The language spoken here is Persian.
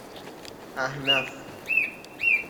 احنف